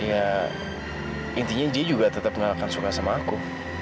ya intinya dia juga tetap gak akan suka sama aku